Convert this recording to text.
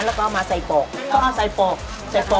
เนี้ยเต่ออีก